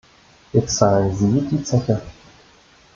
Jetzt zahlen sie die Zeche.